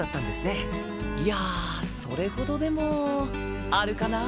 いやあそれほどでもあるかな。